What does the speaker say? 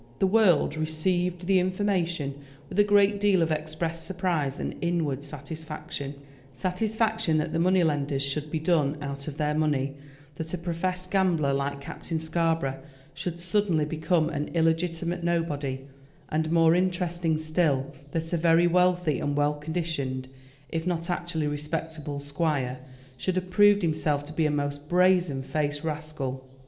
"The world" received the information with a great deal of expressed surprise and inward satisfaction, satisfaction that the money lenders should be done out of their money; that a professed gambler like Captain Scarborough should suddenly become an illegitimate nobody; and, more interesting still, that a very wealthy and well conditioned, if not actually respectable, squire should have proved himself to be a most brazen faced rascal.